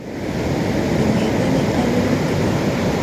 د میرمني قدر وکړئ